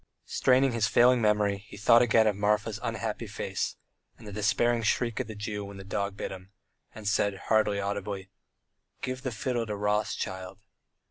straining his failing memory he thought again of Marfa's unhappy face, and the despairing shriek of the Jew when the dog bit him, and said, hardly audibly, "Give the fiddle to Rothschild."